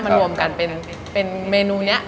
มารวมกันเป็นเมนูเนี่ย